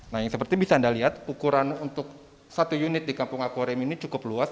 nah yang seperti bisa anda lihat ukuran untuk satu unit di kampung akwarium ini cukup luas